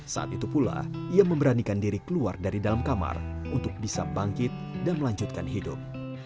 saat itu pula ia memberanikan diri keluar dari dalam kamar untuk bisa bangkit dan melanjutkan hidup